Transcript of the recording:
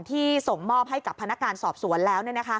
ที่ส่งมอบให้กับพนักงานสอบสวนแล้ว